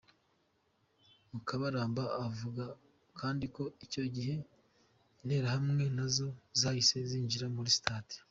Mukabaramba avuga kandi ko icyo gihe interahamwe nazo zahise zinjira muri stade.